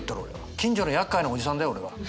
近所のやっかいなおじさんだよ俺は。